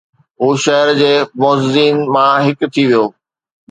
هو شهر جي معززين مان هڪ ٿي ويو